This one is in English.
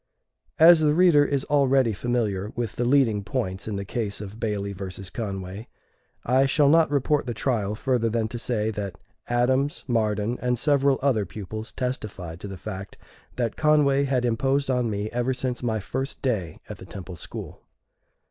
As the reader is already familiar with the leading points in the case of Bailey versus Conway, I shall not report the trial further than to say that Adams, Marden, and several other pupils testified to the fact that Conway had imposed on me ever since my first day at the Temple School.